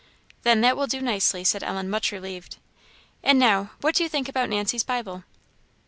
"Then, that will do nicely," said Ellen, much relieved. "And now, what do you think about Nancy's Bible?"